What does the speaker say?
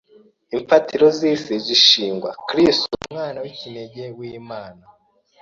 imfatiro z’isi zishingwa, Kristo, Umwana w’ikinege w’Imana,